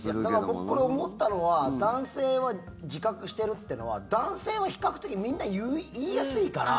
僕、これ、思ったのは男性は自覚してるってのは男性は比較的みんな言いやすいから。